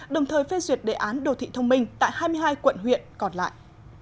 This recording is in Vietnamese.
đồng thời phê duyệt đề án đô thị thông minh tại hai mươi hai quận huyện còn lại